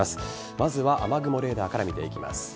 まずは雨雲レーダーから見ていきます。